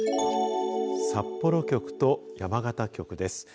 札幌局と山形局です。